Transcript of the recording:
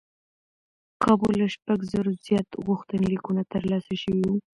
کابو له شپږ زرو زیات غوښتنلیکونه ترلاسه شوي و.